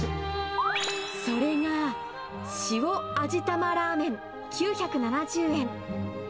それがしお味玉ラーメン９７０円。